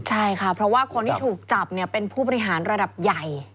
ใช่ค่ะเพราะว่าคนที่ถูกจับเป็นผู้บริหารระดับใหญ่